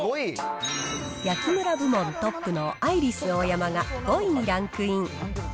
焼きむら部門トップのアイリスオーヤマが５位にランクイン。